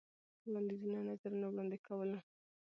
وړاندیزونو ، نظرونه وړاندې کولو.